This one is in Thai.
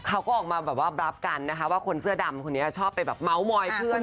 เขาก็ออกมาแบบว่าบรับกันนะคะว่าคนเสื้อดำคนนี้ชอบไปแบบเมาส์มอยเพื่อน